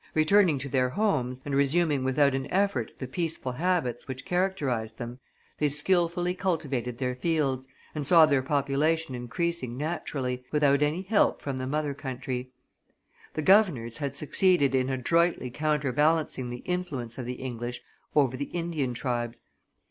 Returning to their homes, and resuming without an effort the peaceful habits which characterized them, they skilfully cultivated their fields, and saw their population increasing naturally, without any help from the mother country. The governors had succeeded in adroitly counterbalancing the influence of the English over the Indian tribes.